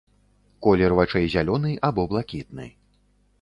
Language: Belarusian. Колер вачэй зялёны або блакітны.